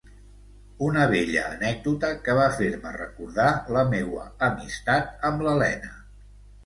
Una bella anècdota que va fer-me recordar la meua amistat amb l'Elena.